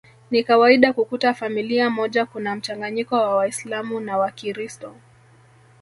Ni kawaida kukuta familia moja kuna mchanganyiko wa waislamu na wakiristo